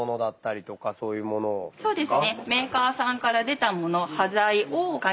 そうですね。